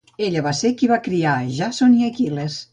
Ella va ser qui va criar Jàson i Aquil·les.